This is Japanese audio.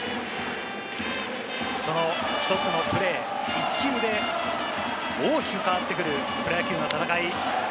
その１つのプレー、一球で大きく変わってくるプロ野球の戦い。